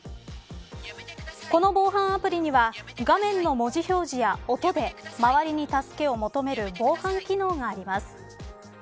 この防犯アプリには画面の文字表示や音で周りに助けを求める防犯機能があります。